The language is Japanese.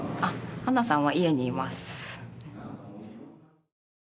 ハナさんは家にいます。